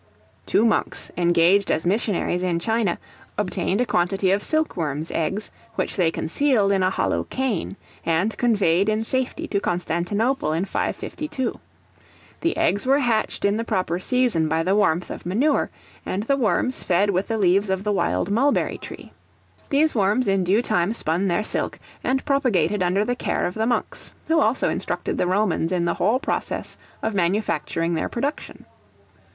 Two monks, engaged as missionaries in China, obtained a quantity of silk worms' eggs, which they concealed in a hollow cane, and conveyed in safety to Constantinople in 552; the eggs were hatched in the proper season by the warmth of manure, and the worms fed with the leaves of the wild mulberry tree. These worms in due time spun their silk, and propagated under the care of the monks, who also instructed the Romans in the whole process of manufacturing their production.